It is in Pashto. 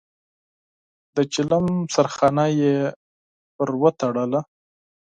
د چيلم سرخانه يې پرې وتړله.